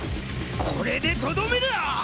これでとどめだ！